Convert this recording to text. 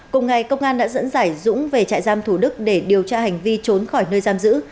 cùng ngày công an đã dẫn giải dũng về trại giam thủ đức để điều tra hành vi trốn khỏi nơi giam giữ